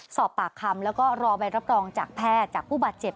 สอบปากคำแล้วก็รอใบรับรองจากแพทย์จากผู้บาดเจ็บ